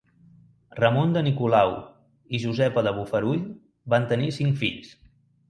Ramon de Nicolau i Josepa de Bofarull van tenir cinc fills.